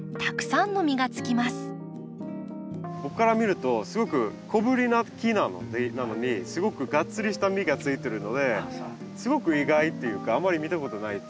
ここから見るとすごく小ぶりな木なのにすごくがっつりした実がついてるのですごく意外っていうかあんまり見たことないっていうか。